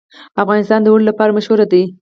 افغانستان د اوړي لپاره مشهور دی.